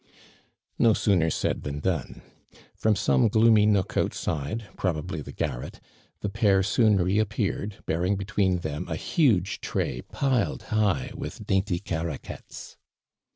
No sooner said than done. From somo gloomy nook outside, probably the garret, the pair soon re appeared, bearing between them a huge tray piled high with dainty Caraquettes.